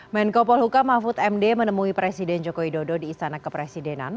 menko polhuka mahfud md menemui presiden joko widodo di istana kepresidenan